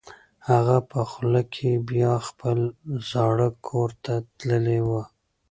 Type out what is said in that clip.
هغه په خوب کې بیا خپل زاړه کور ته تللې وه.